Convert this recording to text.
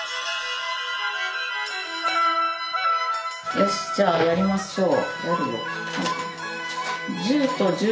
よしじゃあやりましょう。